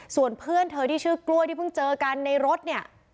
ส่วนเพื่อนเธอที่ชื่อกล้วยที่เพิ่งเจอกันในรถเนี่ย